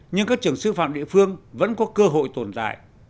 nhưng các trường sư phạm địa phương vẫn có cơ hội tồn tại